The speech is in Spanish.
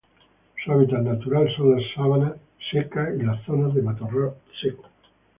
Su hábitat natural son las sabana seca y las zonas de matorral seco.